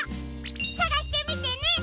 さがしてみてね！